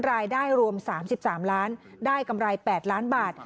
รายได้รวม๓๓ล้านได้กำไร๘ล้านบาท